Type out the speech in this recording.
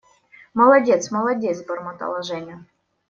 Молодец, молодец… – бормотала Женя.